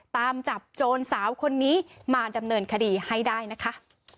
ตามจับโจรสาวคนนี้มาดำเนินคดีให้ได้นะคะ